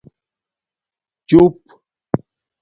چُپ